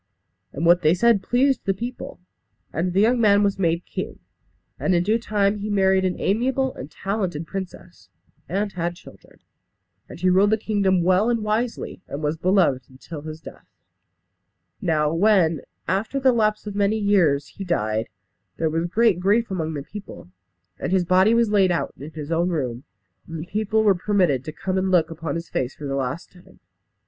And what they said pleased the people; and the young man was made king. And in due time he married an amiable and talented princess, and had children. And he ruled the kingdom well and wisely, and was beloved till his death. Now when, after the lapse of many years, he died, there was great grief among the people, and his body was laid out in his own room, and the people were permitted to come and look upon his face for the last time.